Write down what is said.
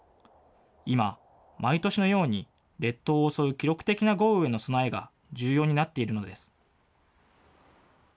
今、毎年のように列島を襲う記録的な豪雨への備えが重要になっているのです。